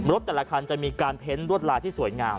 แต่ละคันจะมีการเพ้นรวดลายที่สวยงาม